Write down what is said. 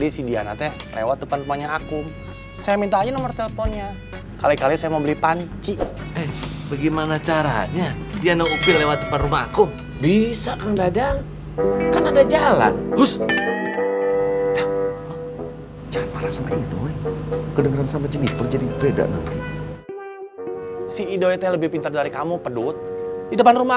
silahkan kang bajak diminum